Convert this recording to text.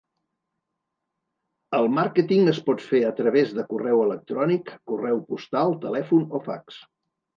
El màrqueting es pot fer a través de correu electrònic, correu postal, telèfon o fax.